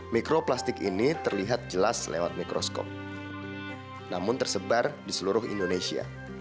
mikroplastik ini terlihat jelas lewat mikroskop namun tersebar di seluruh indonesia